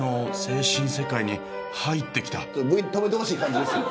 Ｖ止めてほしい感じですよ。